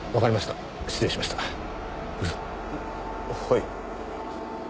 はい。